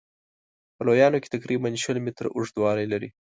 په لویانو کې تقریبا شپږ متره اوږدوالی لري.